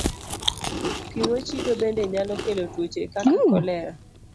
Pi mochido bende nyalo kelo tuoche kaka kolera.